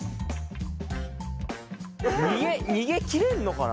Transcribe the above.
逃げきれるのかな？